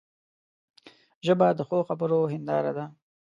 ژبه د ښو خبرو هنداره ده